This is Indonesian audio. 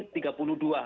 di seluruh indonesia